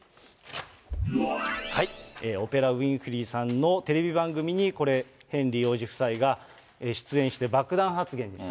オプラ・ウィンフリーさんのテレビ番組に、ヘンリー王子夫妻が出演して、爆弾発言でした。